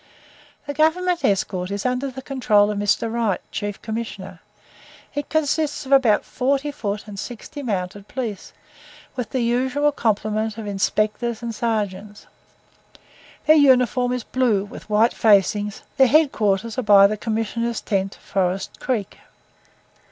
The Government escort is under the control of Mr. Wright, Chief Commissioner; it consists of about forty foot and sixty mounted police, with the usual complement of inspectors and sergeants; their uniform is blue with white facings, their head quarters are by the Commissioners' tent, Forest Creek.